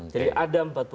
jadi ada empat puluh empat